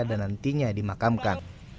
dan nantinya dimakamkan